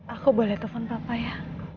aku boleh telepon papa ya